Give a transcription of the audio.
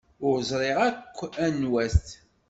Ur ẓriɣ akk anwa-t.